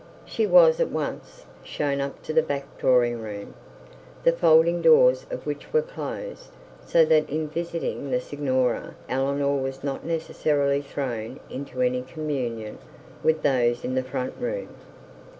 She was at once shown up to the back drawing room, the folding doors of which were closed, so that in visiting the signora, Eleanor was not necessarily thrown into any communication with those in the front room.